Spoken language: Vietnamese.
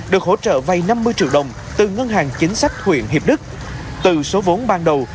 được hỗ trợ vay năm mươi triệu đồng từ ngân hàng chính sách huyện hiệp đức từ số vốn ban đầu